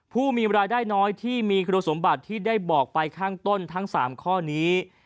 ผู้มีรายได้น้อยที่มีคุณสมบัติที่ได้บอกไปข้างต้นทั้ง๓ข้อนี้